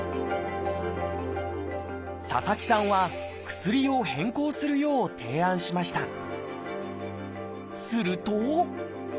佐々木さんは薬を変更するよう提案しました。